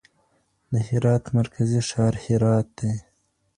د هرات مرکزي ښار هرات دی.